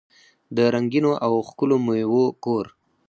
د رنګینو او ښکلو میوو کور.